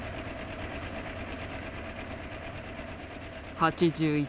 ８１。